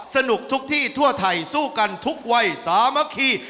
สนุกทุกที่ทั่วไทยสู้กันทุกวัยสามัคคี